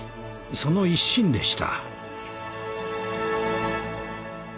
その一心でした。